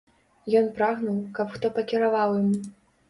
Ён прагнуў, каб хто пакіраваў ім.